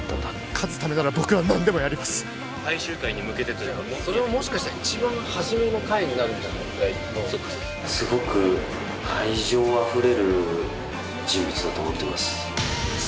勝つためなら僕は何でもやります最終回に向けてというかそれももしかしたら一番初めの回になるんじゃないぐらいのだと思ってます